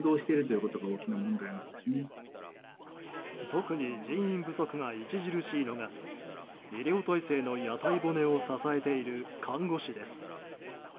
特に人員不足が著しいのが医療体制の屋台骨を支えている看護師です。